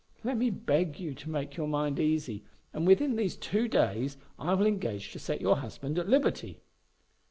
Let me beg you to make your mind easy; and within these two days I will engage to set your husband at liberty.